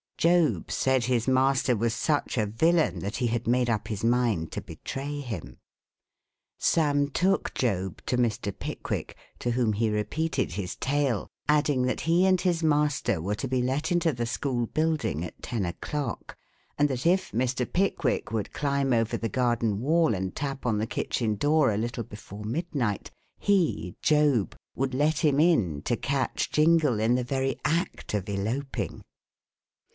Job said his master was such a villain that he had made up his mind to betray him. Sam took Job to Mr. Pickwick, to whom he repeated his tale, adding that he and his master were to be let into the school building at ten o'clock, and that if Mr. Pickwick would climb over the garden wall and tap on the kitchen door a little before midnight, he, Job, would let him in to catch Jingle in the very act of eloping.